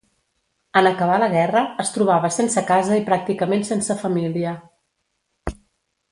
En acabar la guerra, es trobava sense casa i pràcticament sense família.